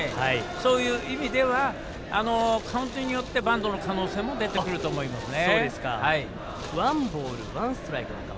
そういう意味ではカウントによってバントの可能性も出てくると思いますね。